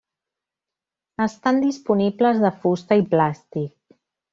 Estan disponibles de fusta i plàstic.